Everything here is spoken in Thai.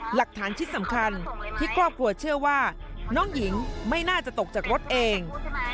หลักฐานชิ้นสำคัญที่ครอบครัวเชื่อว่าน้องหญิงไม่น่าจะตกจากรถเอง